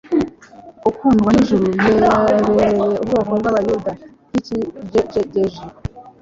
Ukundwa n'ijuru yabereye ubwoko bw'Abayuda "nk'ikigejigeji,